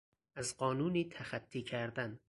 از قانونی تخطی کردن